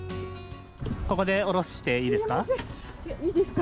ここで降ろしていいですか。